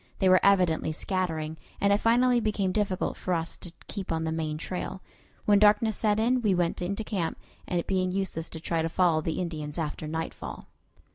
They were evidently scattering, and it finally became difficult for us to keep on the main trail. When darkness set in we went into camp, it being useless to try to follow the Indians after nightfall.